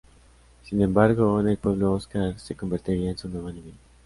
Sin embargo, en el pueblo Óscar se convertirá en su nuevo enemigo.